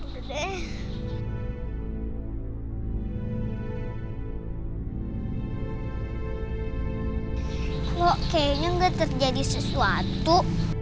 kok kayaknya gak terjadi sesuatu